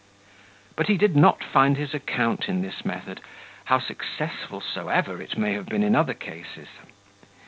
But he did not find his account in this method, how successful soever it may have been in other cases.